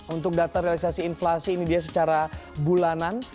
untuk data realisasi inflasi ini dia secara bulanan